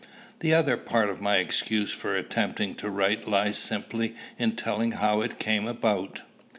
The other part of my excuse for attempting to write lies simply in telling how it came about.